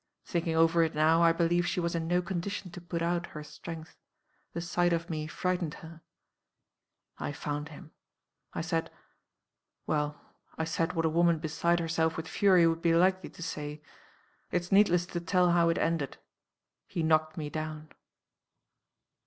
Thinking over it now, I believe she was in no condition to put out her strength. The sight of me frightened her. "I found him. I said well, I said what a woman beside herself with fury would be likely to say. It's needless to tell how it ended. He knocked me down.